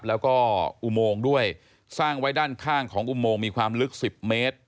แล้วก็อุโมงด้วยสร้างไว้ด้านข้างของอุโมงมีความลึก๑๐เมตร